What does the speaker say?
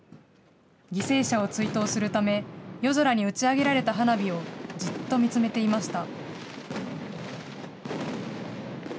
犠牲者を追悼するため、夜空に打ち上げられた花火をじっと見つめていました。